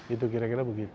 itu kira kira begitu